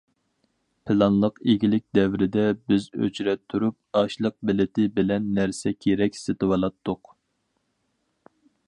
پىلانلىق ئىگىلىك دەۋرىدە بىز ئۆچرەت تۇرۇپ ئاشلىق بېلىتى بىلەن نەرسە- كېرەك سېتىۋالاتتۇق.